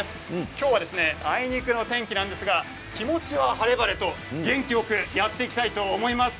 きょうはあいにくの雨なんですが気持ちは晴れ晴れと元気よくやっていきたいと思います。